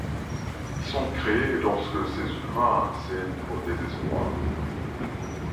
Ils sont créés lorsque ces humains cèdent au désespoir.